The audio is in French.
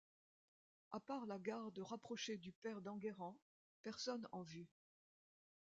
À part la garde rapprochée du père d’Enguerrand, personne en vue.